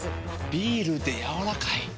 ビールでやわらかい。